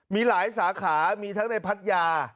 มีหลายสาขามีทั้งในพัทยา